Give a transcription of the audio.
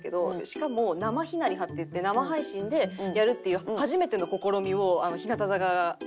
しかも「生ひなリハ」っていって生配信でやるっていう初めての試みを日向坂がして。